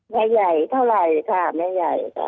แม่ใหญ่เท่าไหร่ค่ะแม่ใหญ่ค่ะ